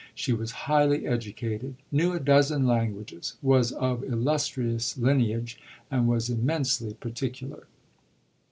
She was highly educated, knew a dozen languages, was of illustrious lineage, and was immensely particular.